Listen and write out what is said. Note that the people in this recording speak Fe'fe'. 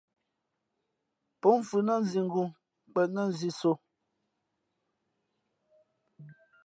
Pó mfhʉ̄ nά nzîngū nkwēn nά nzîsō .